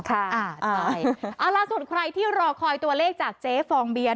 เอาล่ะส่วนใครที่รอคอยตัวเลขจากเจ๊ฟองเบียร์